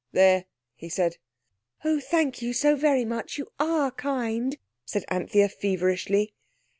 "There," he said. "Oh, thank you so very much. You are kind," said Anthea feverishly.